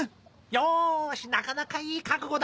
よしなかなかいい覚悟だ。